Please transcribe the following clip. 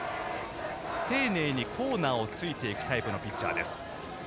丁寧にコーナーをついていくタイプのピッチャーです。